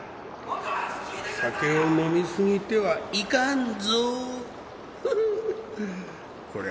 酒を飲みすぎてはいかんぞうこりゃ